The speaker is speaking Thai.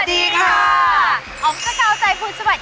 ไอพีซาดาเคี่ยวของข้าค่ะท็อตเตอร์กัรนินูปสุตนาวินค่ะ